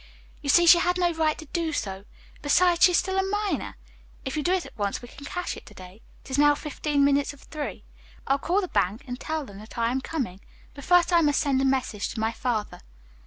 You see she had no right to do so. Besides, she is still a minor. If you do it at once we can cash it to day. It is now fifteen minutes of three. I'll call the bank and tell them that I am coming. But first I must send a message to my father."